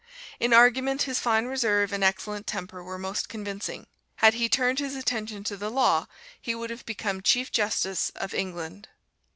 In argument his fine reserve and excellent temper were most convincing. Had he turned his attention to the law he would have become Chief Justice of England.